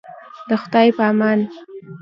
د خدای په امان.